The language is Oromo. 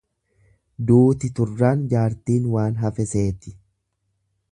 Duuti turraan jaartiin waan hafe seeti.